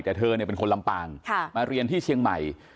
แต่เธอเป็นคนลำปางมาเรียนที่เชียงใหม่